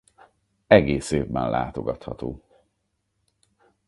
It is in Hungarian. Egész évben látogatható.